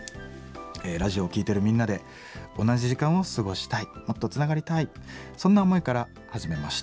ラジオを聴いてるみんなで同じ時間を過ごしたいもっとつながりたいそんな思いから始めました。